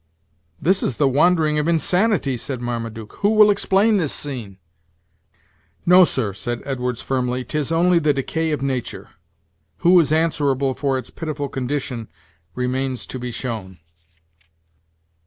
"This is the wandering of insanity!" said Marmaduke: "who will explain this scene." "No, sir," said Edwards firmly, "'tis only the decay of nature; who is answerable for its pitiful condition, remains to be shown."